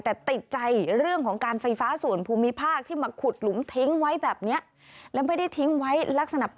แต่ติดใจเรื่องของการไฟฟ้าศูนย์ภูมิภาค